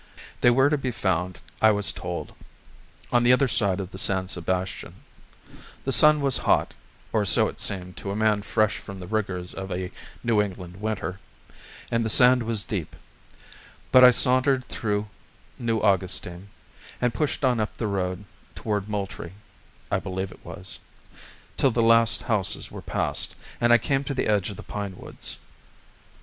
They were to be found, I was told, on the other side of the San Sebastian. The sun was hot (or so it seemed to a man fresh from the rigors of a New England winter), and the sand was deep; but I sauntered through New Augustine, and pushed on up the road toward Moultrie (I believe it was), till the last houses were passed and I came to the edge of the pine woods.